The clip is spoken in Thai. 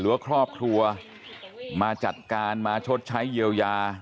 ว่าครอบครัวมาจัดการมาชดใช้เยียวยา